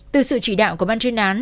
từ sự chỉ đạo của ban chuyên án